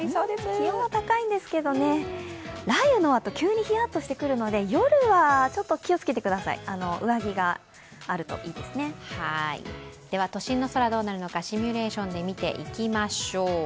気温は高いんですけど、雷雨のあと急にヒヤッとしてくるので夜はちょっと気をつけてください、都心の空シミュレーションで見ていきましょう。